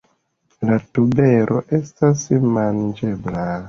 La tubero estas manĝebla.